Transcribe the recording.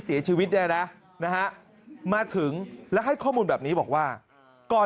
เสียชีวิตเนี่ยนะนะฮะมาถึงแล้วให้ข้อมูลแบบนี้บอกว่าก่อน